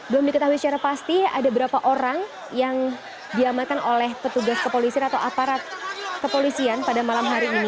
belum diketahui secara pasti ada berapa orang yang diamankan oleh petugas kepolisian atau aparat kepolisian pada malam hari ini